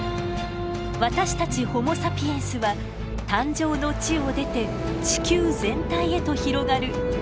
私たちホモ・サピエンスは誕生の地を出て地球全体へと広がる大冒険に挑みました。